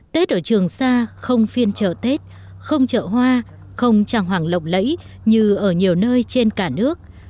tết ở trường sa không phiên chợ tết không chợ hoa không tràng hoàng lộng lẫy như ở nhiều nơi trên cả nước